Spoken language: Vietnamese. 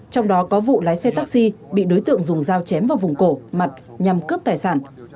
trong đó có vụ lái xe taxi bị đối tượng dùng dao chém vào vùng cổ mặt nhằm cướp tài sản